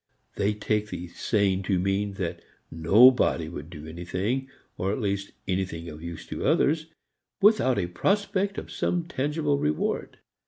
They take the saying to mean that nobody would do anything, or at least anything of use to others, without a prospect of some tangible reward.